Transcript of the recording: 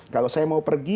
kalau saya mau pergi